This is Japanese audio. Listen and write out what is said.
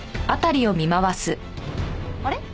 あれ？